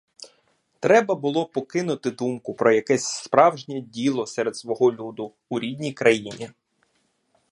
Треба було покинути думку про якесь справжнє діло серед свого люду, у рідній країні.